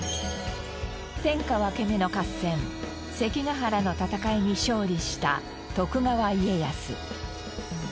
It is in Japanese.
天下分け目の合戦関ヶ原の戦いに勝利した徳川家康。